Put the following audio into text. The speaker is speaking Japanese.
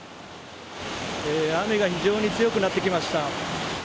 雨が非常に強くなってきました。